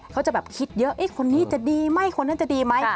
เขาจะแบบคิดเยอะคนนี้จะดีไหมคนนั้นจะดีไหม